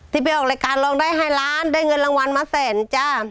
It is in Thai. ไปออกรายการร้องได้ให้ล้านได้เงินรางวัลมาแสนจ้า